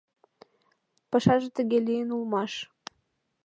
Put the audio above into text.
Пашаже тыге лийын улмаш.